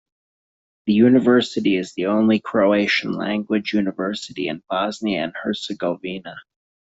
The University is the only Croatian language university in Bosnia and Herzegovina.